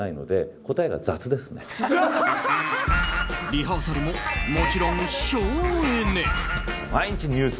リハーサルももちろん省エネ。